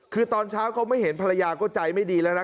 คือตอนเช้าเขาไม่เห็นภรรยาก็ใจไม่ดีแล้วนะ